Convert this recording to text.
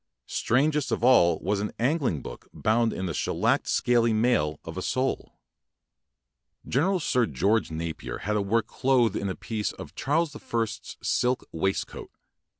Strangest of all was an angling book bound in the shellacked scaly mail of a sole. Gene ral Sir George Napier had a work clothed in a piece of Charles the First's silk waist coat.